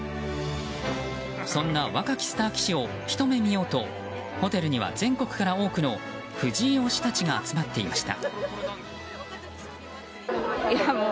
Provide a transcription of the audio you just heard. そんな若きスター棋士をひと目見ようとホテルには全国から多くの藤井推したちが集まっていました。